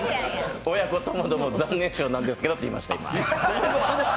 親子ともども残念賞なんですけどって今言いました。